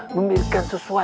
atau kita kroyok semua